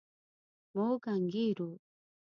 موږ انګېرو.